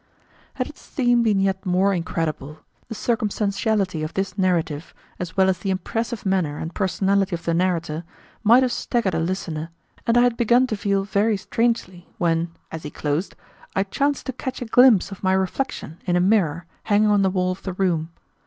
Had its theme been yet more incredible, the circumstantiality of this narrative, as well as the impressive manner and personality of the narrator, might have staggered a listener, and I had begun to feel very strangely, when, as he closed, I chanced to catch a glimpse of my reflection in a mirror hanging on the wall of the room.